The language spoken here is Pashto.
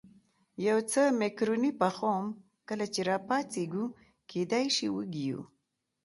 یو څه مکروني پخوم، کله چې را پاڅېږو کېدای شي وږي یو.